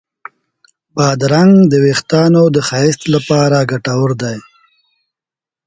بادرنګ د وېښتانو د ښایست لپاره ګټور دی.